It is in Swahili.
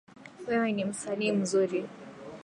Wewe ni msanii mzuri